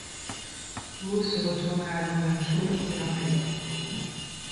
Wu se retourna alors vers Chu et l'envahit.